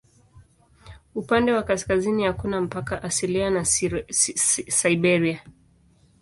Upande wa kaskazini hakuna mpaka asilia na Siberia.